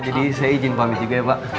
jadi saya ijin pamit juga ya pak